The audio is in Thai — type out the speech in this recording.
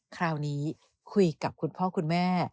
คราวนี้คุยกับคุณพ่อคุณแม่